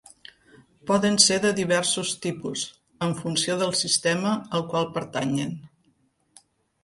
Poden ser de diversos tipus, en funció del sistema al qual pertanyen.